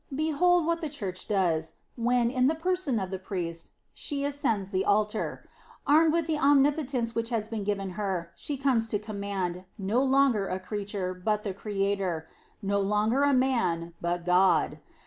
Behold what the Church does, when, in the person of the priest, she ascends the altar. Armed with omnipotence which has been given her, she comes to command, no longer a creature, but the Creator ; no longer a man, but God.